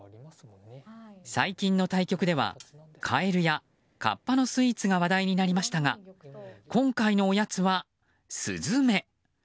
最近の対局ではカエルやカッパのスイーツが話題になりましたが今回のおやつはスズメ。